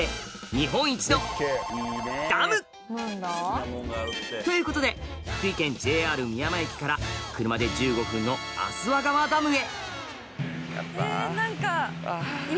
続いてはということで福井県ＪＲ美山駅から車で１５分の足羽川ダムへ何か。